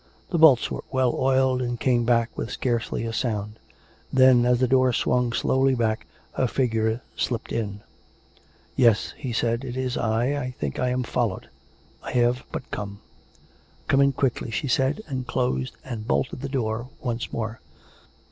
The bolts were well oiled, and came back with scarcely a sound. Then as the door swung slowly back a figure slipped in. " Yes," he said, " it is I. ... I think I am followed. ... I have but come "" Come in quickly," she said, and closed and bolted the door once more.